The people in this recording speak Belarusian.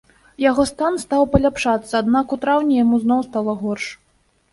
Яго стан стаў паляпшацца, аднак у траўні яму зноў стала горш.